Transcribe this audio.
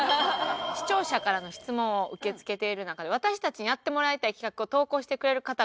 視聴者からの質問を受け付けている中で私たちにやってもらいたい企画を投稿してくれる方がいまして。